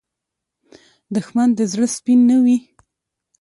دښمن د زړه سپین نه وي